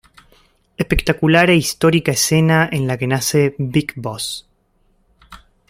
Espectacular e histórica escena en la que nace Big Boss.